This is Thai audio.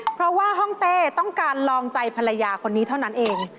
เพราะว่าห้องเต้ต้องการลองใจภรรยาคนนี้เท่านั้นเอง